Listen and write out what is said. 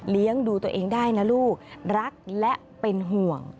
ดูตัวเองได้นะลูกรักและเป็นห่วง